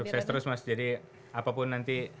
sukses terus mas jadi apapun nanti